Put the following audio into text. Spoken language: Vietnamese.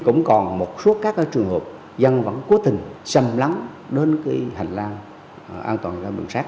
cũng còn một số các trường hợp dân vẫn cố tình xâm lắng đến cái hành lang an toàn giao thông đường sắt